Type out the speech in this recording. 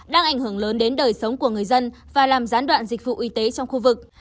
đang ảnh hưởng lớn đến đời sống của người dân và làm gián đoạn dịch vụ y tế trong khu vực